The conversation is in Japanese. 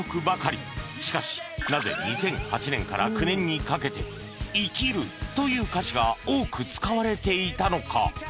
しかしなぜ２００８年から２００９年にかけて「生きる」という歌詞が多く使われていたのか？